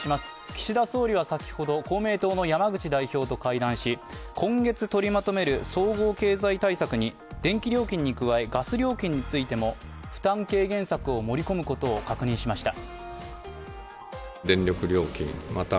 岸田総理は先ほど、公明党の山口代表と会談し今月取りまとめる総合経済対策に電気料金に加え、ガス料金についても負担軽減策を盛り込むことを確認しました。